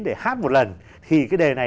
để hát một lần thì cái đề này